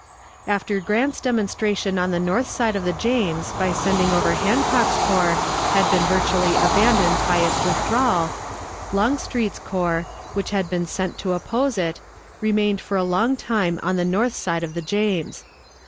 After Grant's demonstration on the north side of the James by sending over Hancock's corps had been virtually abandoned by its withdrawal, Longstreet's corps, which had been sent to oppose it, remained for a long time on the north side of the James.